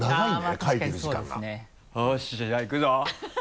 よしじゃあいくぞ。